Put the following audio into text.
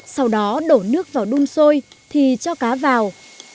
sau đó đổ nước vào đung sôi thì cho cá vào